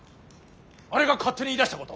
あれが勝手に言いだしたこと。